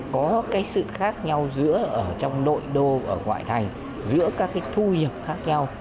có cái sự khác nhau giữa ở trong nội đô ở ngoại thành giữa các cái thu nhập khác nhau